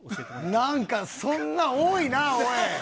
なんか、そんなん多いな、おい！